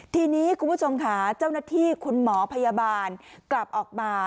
ทีนี้คุณผู้ชมค่ะเจ้าหน้าที่คุณหมอพยาบาลกลับออกมา